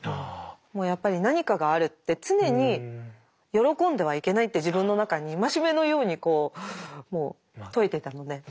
もうやっぱり何かがあるって常に喜んではいけないって自分の中に戒めのようにこうもう説いてたので。